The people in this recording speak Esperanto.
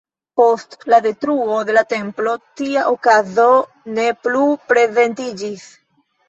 Post la detruo de la Templo tia okazo ne plu prezentiĝis.